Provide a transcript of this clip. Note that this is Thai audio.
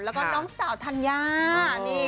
แล้วก็น้องสาวธัญญานี่